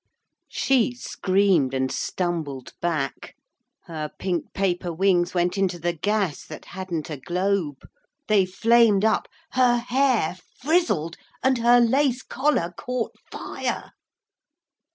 She screamed and stumbled back. Her pink paper wings went into the gas that hadn't a globe. They flamed up, her hair frizzled, and her lace collar caught fire.